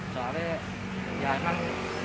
soalnya ya emang